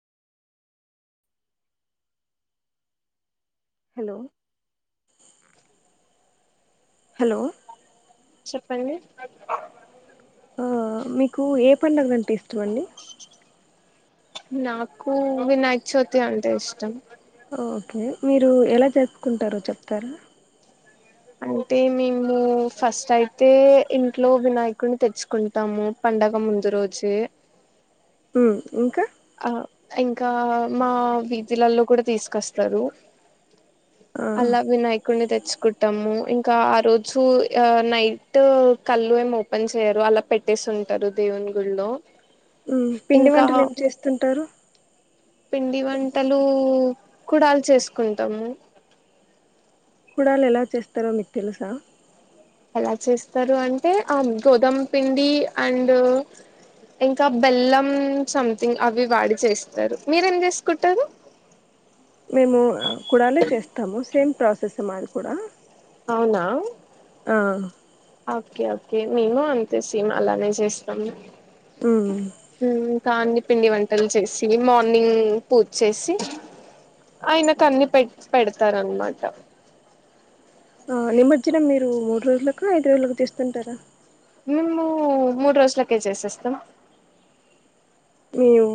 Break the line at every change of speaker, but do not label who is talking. hello hello
చెప్పండి
ఆ మీకు ఏ పడుగలు అంటే ఇష్టం అండి
నాకు వినాయక చవితి అంటే ఇష్టం
ఓకే మీరు ఎలా చేసుకుంటారో చెప్తారా
అంటే మేము ఫస్ట్ అయితే ఇంట్లో వినాయకుడిని తెచ్చుకుంటాము పండగ ముందు రోజే
హు ఇంకా
ఆ ఇంకా మా వీధిలల్లో కూడా తీసుకొస్తారు
ఆ
అలా వినాయకుడిని తే తేచ్చుకుంటాము ఇంకా ఆ రోజు నైట్ కళ్ళు ఏమి ఓపెన్ చేయరు అలా పెట్టేసి ఉంటారు దేవుని గుళ్లో
పిండి వంటలు ఏం చేస్తా తుంటారు
పిండి వంటలు కుడాల చేసుకుంటాము
కుడాల్లు ఎలా చేస్తారో మీకు తెలుసా
ఎలా చేస్తారు అంటే ఆ గోధుమ పిండి అండ్ ఇంకా బెల్లం సంథింగ్ అవి వాడి చేస్తారు మీరూ ఏం చేసుకుంటారు
మేము ఆ, కుడాలే చేస్తాము సేమ్ ప్రాసెస్ మాది కూడా
అవునా
ఆ
ఓకే ఓకే మేము అంతే సీమ్ అలానే చేస్తాము
ఉమ్
హమ్ కాన్ని పిండి వంటలు చేసి మార్నింగ్ పూజ చేేసి ఆయన కన్నీ పెట్ పెడతారన్నమాట
నిమజ్జనం మీరు మూడు రోజులకు ఐదు రోజులకు తీస్తుంటారా
మేము మూడు రోజులకే చేసేస్తాం
మీ